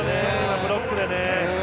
ブロックがね。